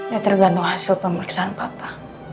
ya tergantung hasil pemeriksaan papa